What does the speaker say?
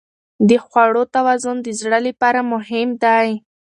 د خوړو توازن د زړه لپاره مهم دی.